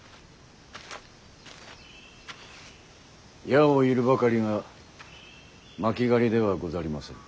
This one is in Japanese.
矢を射るばかりが巻狩りではござりませぬ。